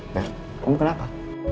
bel kamu kenapa